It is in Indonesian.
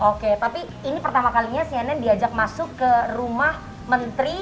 oke tapi ini pertama kalinya cnn diajak masuk ke rumah menteri